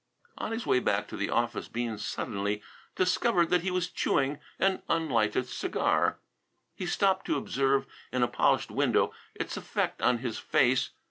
On his way back to the office Bean suddenly discovered that he was chewing an unlighted cigar. He stopped to observe in a polished window its effect on his face.